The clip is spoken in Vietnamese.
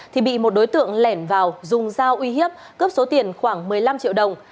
thì bị một đối tượng lẻn vào dùng dao uy hiếp cướp số tiền khoảng một mươi năm triệu đồng